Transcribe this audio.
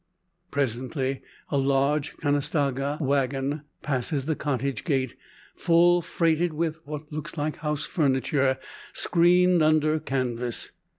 Presently, a large "Conestoga" wagon passes the cottage gate, full freighted with what looks like house furniture, screened under canvas.